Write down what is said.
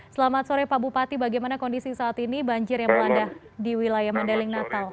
selamat sore pak bupati bagaimana kondisi saat ini banjir yang melanda di wilayah mandailing natal